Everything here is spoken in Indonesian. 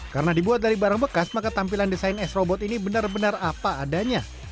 karena dibuat dari barang bekas maka tampilan desain s robot ini benar benar apa adanya